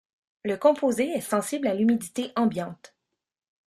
Le composé est sensible à l'humidité ambiante.